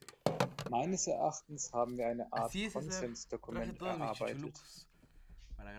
Meines Erachtens haben wir eine Art Konsensdokument erarbeitet.